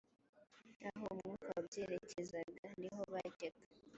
aho umwuka wabyerekezaga ni ho byajyaga